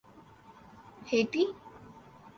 Haiti